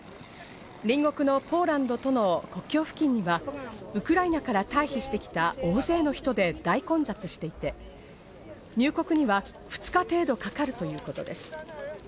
隣国のポーランドとの国境付近には、ウクライナから退避してきた大勢の人で大混雑していて、入国には２日程度かかるとのことです。